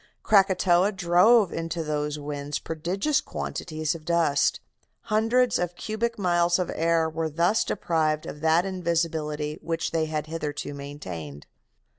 Krakatoa drove into those winds prodigious quantities of dust. Hundreds of cubic miles of air were thus deprived of that invisibility which they had hitherto maintained.